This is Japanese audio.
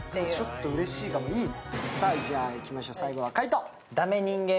ちょっとうれしいかも、いいね。